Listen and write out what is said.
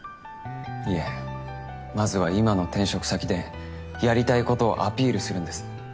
いえまずは今の転職先でやりたいことをアピールするんです。